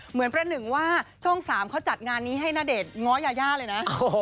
เหมือนประหนึ่งว่าช่อง๓เขาจัดงานนี้ให้ณเดชน์ง้อยาย่าเลยนะ